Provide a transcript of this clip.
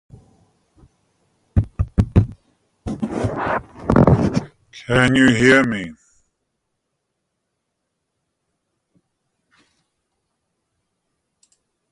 Ekow hails from the Western Region of Ghana.